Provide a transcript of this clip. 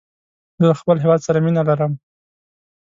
زه له خپل هېواد سره مینه لرم